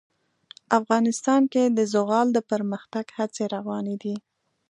افغانستان کې د زغال د پرمختګ هڅې روانې دي.